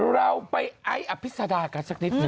เราไปไอ้อภิษฎากันสักนิดหนึ่ง